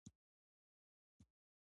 د افغانستان وخت له کوم ځای سره برابر دی؟